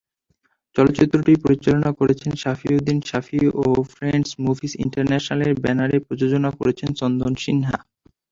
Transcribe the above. চলচ্চিত্রটি পরিচালনা করেছেন সাফি উদ্দিন সাফি ও ফ্রেন্ডস মুভিজ ইন্টারন্যাশনালের ব্যানারে প্রযোজনা করেছেন চন্দন সিনহা।